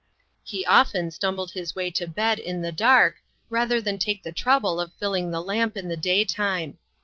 He often stumbled his way to bed in the dark, rather than take the trouble of filling the lamp in the daytime.